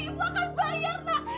ibu akan bayar nak